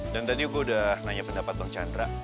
dan tadi gue udah nanya pendapat bang chandra